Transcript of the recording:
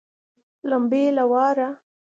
لمبې له واره